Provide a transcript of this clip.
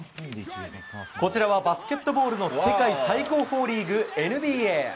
こちらはバスケットボールの世界最高峰リーグ、ＮＢＡ。